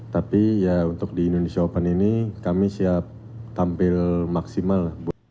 tapi ya untuk di indonesia open ini kami siap tampil maksimal